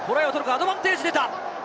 アドバンテージが出た。